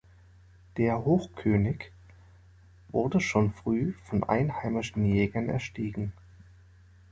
Der Hochkönig wurde schon früh von einheimischen Jägern erstiegen.